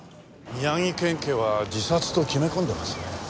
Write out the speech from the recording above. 宮城県警は自殺と決め込んでますね。